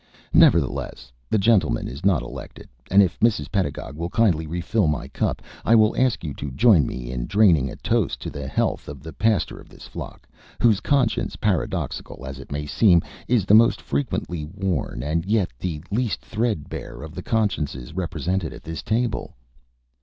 Nevertheless, the gentleman is not elected; and if Mrs. Pedagog will kindly refill my cup, I will ask you to join me in draining a toast to the health of the pastor of this flock, whose conscience, paradoxical as it may seem, is the most frequently worn and yet the least thread bare of the consciences represented at this table."